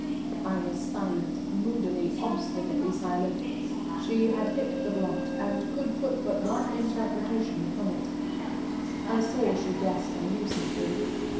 I was silent, moodily, obstinately silent. She had hit the blot, and could put but one interpretation upon it. I saw she guessed I knew something.